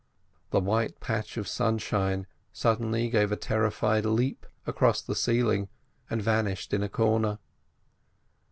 The white patch of sunshine suddenly gave a terrified leap across the ceiling and vanished in a corner.